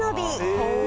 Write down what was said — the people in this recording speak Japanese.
へえ。